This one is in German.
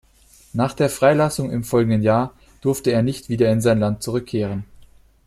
Nach der Freilassung im folgenden Jahr durfte er nicht wieder in sein Land zurückkehren.